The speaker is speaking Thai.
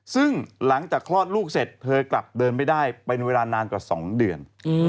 ซึ่งหลังจากคลอดลูกเสร็จเธอกลับเดินไม่ได้เป็นเวลานานกว่า๒เดือน